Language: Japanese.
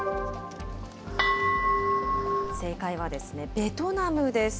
正解はベトナムです。